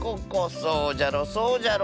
そうじゃろそうじゃろ。